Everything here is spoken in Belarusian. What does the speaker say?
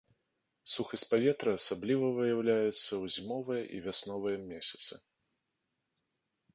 Сухасць паветра асабліва выяўляецца ў зімовыя і вясновыя месяцы.